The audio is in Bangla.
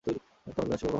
তোমাদের জন্য শুভকামনা!